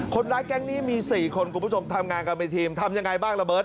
คนร้ายแก๊งนี้มี๔คนทำงานกันเป็นทีมทำยังไงบ้างล่ะเบิร์ต